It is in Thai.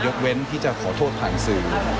เว้นที่จะขอโทษผ่านสื่อ